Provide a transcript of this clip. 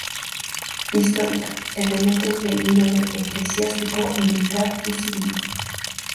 Histórica: elementos de índole eclesiástico, militar y civil.